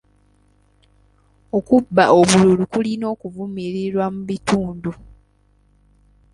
Okubba obululu kulina okuvumirirwa mu bitundu.